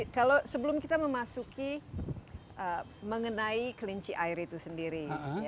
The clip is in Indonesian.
kalau sebelum kita memasuki mengenai kelinci air itu sendiri